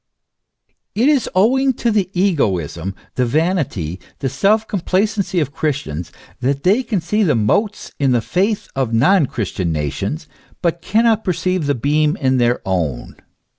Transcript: It is owing to the egoism, the vanity, the self complacency of Christians, that they can see the motes in the faith of non christian nations, but cannot perceive the beam in their own.